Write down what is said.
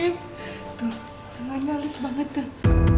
tuh tangannya olis banget tuh